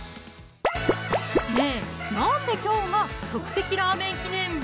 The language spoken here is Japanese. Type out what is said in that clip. ねぇなんできょうが即席ラーメン記念日？